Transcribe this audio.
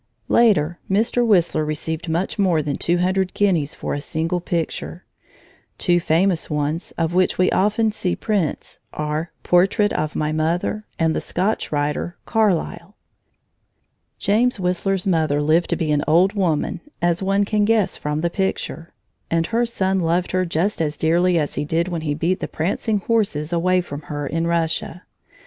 Later, Mr. Whistler received much more than two hundred guineas for a single picture. Two famous ones, of which we often see prints, are "Portrait of my Mother" and the Scotch writer, "Carlyle." James Whistler's mother lived to be an old woman, as one can guess from the picture, and her son loved her just as dearly as he did when he beat the prancing horses away from her, in Russia.